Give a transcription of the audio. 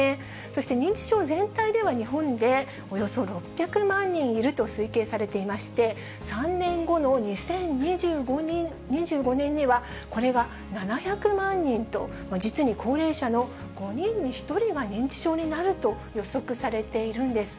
そして認知症全体では、日本でおよそ６００万人いると推計されていまして、３年後の２０２５年には、これが７００万人と、実に高齢者の５人に１人が認知症になると予測されているんです。